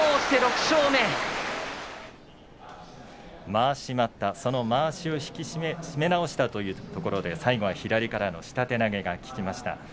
まわし待ったそのまわしを締め直したというところで最後は左からの下手投げが効きました。